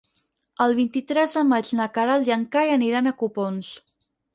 El vint-i-tres de maig na Queralt i en Cai aniran a Copons.